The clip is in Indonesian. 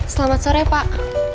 selamat sore pak